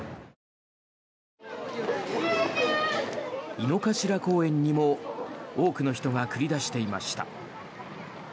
井の頭公園にも多くの人が繰り出していました。